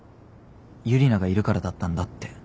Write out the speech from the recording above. ユリナがいるからだったんだって。